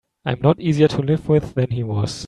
I'm not easier to live with than he was.